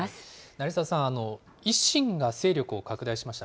成澤さん、維新が勢力を拡大しました。